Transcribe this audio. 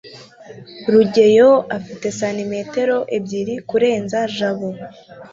rugeyo afite santimetero ebyiri kurenza jabo